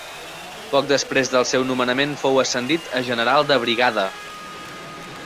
Poc després del seu nomenament fou ascendit a general de brigada.